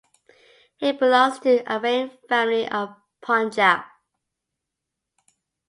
He Belongs to Arain family of Punjab.